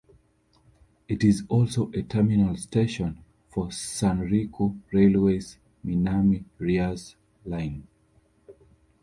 It is also a terminal station for the Sanriku Railway's Minami-Rias Line.